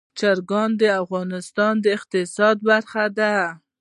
چرګان د افغانستان د اقتصاد برخه ده.